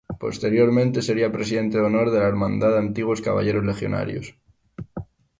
Posteriormente sería presidente de honor de la Hermandad de Antiguos Caballeros Legionarios.